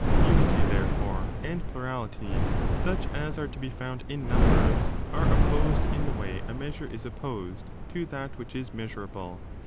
Unity, therefore, and plurality, such as are to be found in numbers, are opposed ia the way a «on betro^* measure is opposed to that which is measurable ; ^"^^J